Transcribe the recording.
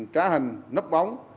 trá hình nấp bóng